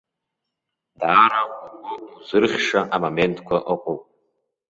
Даара угәы узырхьша амоментқәа ыҟоуп.